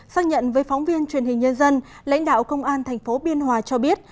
xác nhận với phóng viên truyền hình nhân dân lãnh đạo công an tp biên hòa cho biết